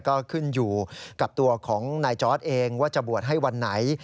ก็ขึ้นอยู่กับตัวของนายจอร์ดเองว่าจะบวชให้วันไหน